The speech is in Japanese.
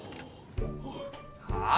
はあ？